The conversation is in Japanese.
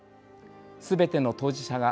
すべての当事者が